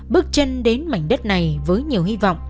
bước chân đến mảnh đất này với nhiều hy vọng